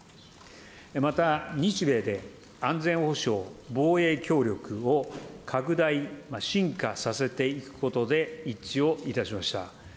また日米で、安全保障・防衛協力を拡大深化させていくことで一致をいたしました。